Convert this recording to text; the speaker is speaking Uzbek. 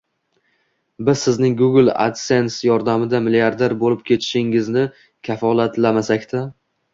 Biz Sizning Google adsense yordamida milliarder bo’lib ketishingizni kafolatlamasak-da